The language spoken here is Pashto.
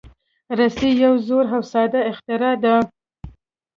رسۍ یو زوړ او ساده اختراع ده.